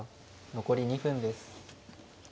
残り２分です。